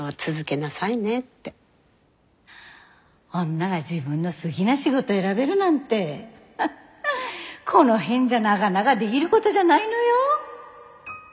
女が自分の好ぎな仕事選べるなんてこの辺じゃながなができるごどじゃないのよ。